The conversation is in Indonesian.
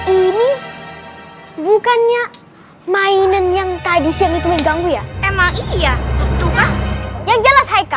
ini bukannya mainan yang tadi siang itu ya emang iya